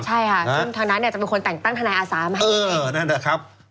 ใช่ค่ะจนทางนั้นจะเป็นคนแต่งตั้งธนายอาสามาให้เอง